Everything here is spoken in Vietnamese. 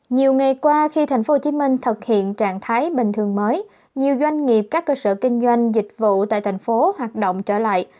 nhiều ngày qua khi tp hcm thực hiện trạng thái bình thường mới nhiều doanh nghiệp các cơ sở kinh doanh dịch vụ tại thành phố hoạt động trở lại